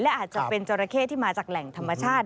และอาจจะเป็นจราเข้ที่มาจากแหล่งธรรมชาติ